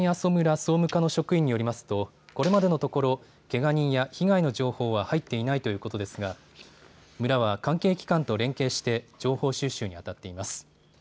総務課の職員によりますと、これまでのところけが人や被害の情報は入っていないということですが村は関係機関と連携して情報収集にあたっています。